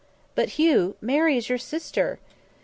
"But, Hugh, Mary is your sister!"